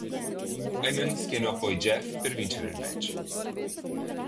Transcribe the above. Heyman schienò poi Jeff per vincere il match.